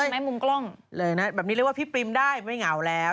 แบบนี้เรียกว่าพี่ปรีมได้ไม่เหงาแล้ว